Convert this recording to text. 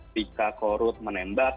jika korup menembak